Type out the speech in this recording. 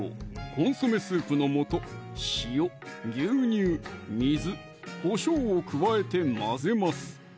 コンソメスープの素・塩・牛乳・水・こしょうを加えて混ぜます